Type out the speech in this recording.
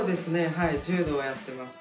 はい柔道やってました